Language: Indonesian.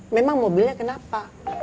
memang mobilnya kenapa